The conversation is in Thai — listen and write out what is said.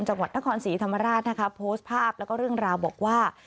จังหวัดนครศรีธรรมราชนะคะโพสต์ภาพแล้วก็เรื่องราวบอกว่า